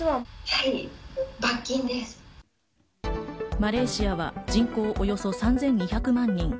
マレーシアは人口およそ３２００万人。